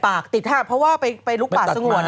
ติดปากติดฮาดเพราะว่าไปลุกป่าสงวนไง